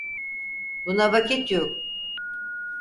Buna vakit yok.